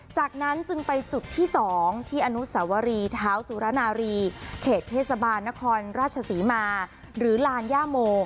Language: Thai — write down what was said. จากนั้นจึงไปจุดที่๒ที่อนุสวรีเท้าสุรนารีเขตเทศบาลนครราชศรีมาหรือลานย่าโม